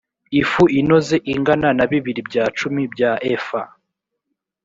ifu inoze ingana na bibiri bya cumi bya efa